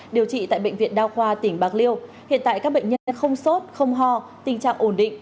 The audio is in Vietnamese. điều trị tại bệnh viện đa khoa tỉnh bạc liêu hiện tại các bệnh nhân đã không sốt không ho tình trạng ổn định